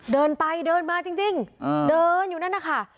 เดินไปเดินมาจริงเดินอยู่นั่นนะคะ